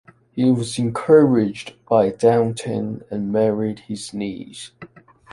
He was encouraged by Daubenton and married his niece.